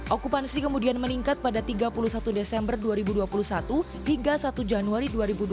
okupansi kemudian meningkat pada tiga puluh satu desember dua ribu dua puluh satu hingga satu januari dua ribu dua puluh